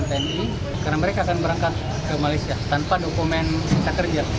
kami berpikir bahwa mereka akan berangkat ke malaysia tanpa dokumen visa kerja